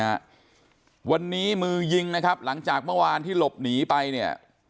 นะฮะวันนี้มือยิงนะครับหลังจากเมื่อวานที่หลบหนีไปเนี่ย